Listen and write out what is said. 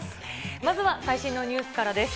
まずは最新のニュースからです。